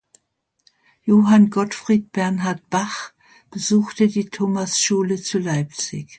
Johann Gottfried Bernhard Bach besuchte die Thomasschule zu Leipzig.